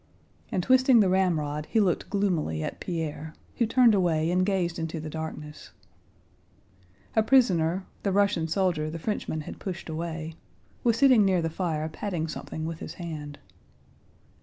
And twisting the ramrod he looked gloomily at Pierre, who turned away and gazed into the darkness. A prisoner, the Russian soldier the Frenchman had pushed away, was sitting near the fire patting something with his hand.